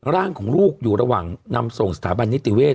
ร่างของลูกอยู่ระหว่างนำส่งสถาบันนิติเวศ